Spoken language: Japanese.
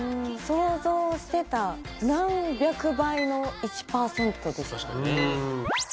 想像してた何百倍の１％でした。